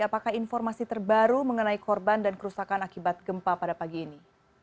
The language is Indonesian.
apakah informasi terbaru mengenai korban dan kerusakan akibat gempa pada pagi ini